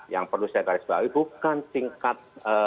yang perlu saya taris balik bukan tingkat